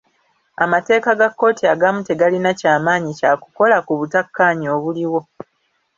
Amateeka ga kkooti agamu tegalina kya maanyi kya kukola ku butakkaanya obuliwo.